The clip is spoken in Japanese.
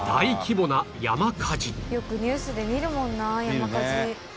よくニュースで見るもんな山火事。